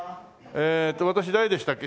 えっと私誰でしたっけ？